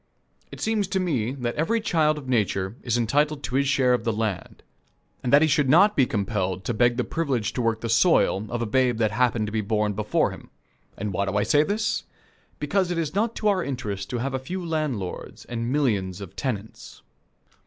It seems to me that every child of Nature is entitled to his share of the land, and that he should not be compelled to beg the privilege to work the soil, of a babe that happened to be born before him. And why do I say this? Because it is not to our interest to have a few landlords and millions of tenants.